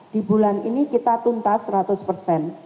di bulan ini kita tuntas